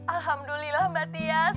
alhamdulillah mbak tias